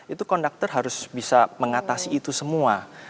itu konduktor harus bisa mengatasi itu semua